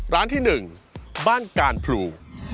ร้านที่๑บ้านการพลู